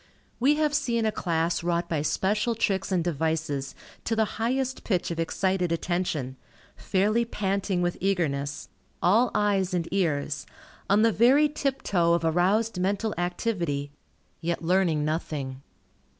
We have seen a class wrought by special tricks and devices to the highest pitch of excited attention, fairly panting with eagerness, all eyes and ears, on the very tiptoe of aroused mental activity, yet learning nothing.